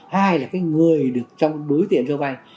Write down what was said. hai là cái người được trong đối tượng cho vay